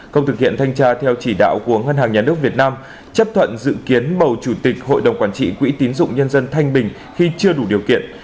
không thực hiện thanh tra theo chỉ đạo của ngân hàng nhà nước việt nam chấp thuận dự kiến bầu chủ tịch hội đồng quản trị quỹ tín dụng nhân dân thanh bình khi chưa đủ điều kiện